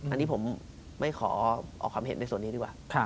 อันนี้ผมไม่ขอออกความเห็นในส่วนนี้ดีกว่า